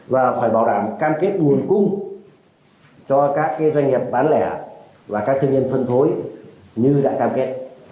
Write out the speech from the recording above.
và phải bảo đảm cam kết nguồn cung cho các doanh nghiệp bán lẻ và các thương nhân phân phối như đã cam kết